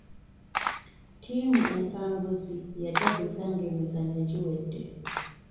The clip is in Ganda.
Ttiimu empanguzi yajaguza nga emizannyo giwedde.